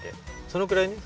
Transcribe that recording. そのくらいね